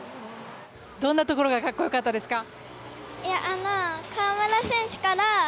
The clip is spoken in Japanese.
どんなところが格好良かったですか。